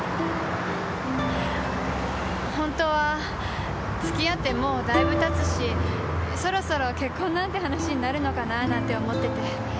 本当はつきあってもう大分たつしそろそろ結婚なんて話になるのかなあなんて思ってて。